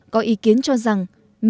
có ý kiến cho rằng